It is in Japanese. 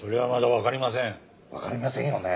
わかりませんよね。